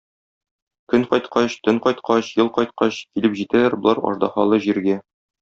Көн кайткач, төн кайткач, ел кайткач, килеп җитәләр болар аждаһалы җиргә.